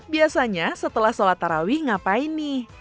biasanya setelah salat taraweeh ngapain nih